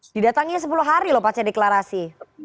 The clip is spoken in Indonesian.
didatanginya sepuluh hari loh pasca deklarasi